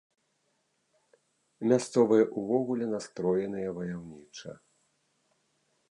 Мясцовыя ўвогуле настроеныя ваяўніча.